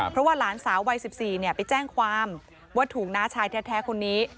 เพราะว่าหลานสาววัย๑๔ไปแจ้งความว่าถูกน้าชายแท้คนนี้